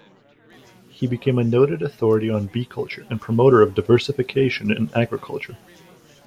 He became a noted authority on bee culture and promoter of diversification in agriculture.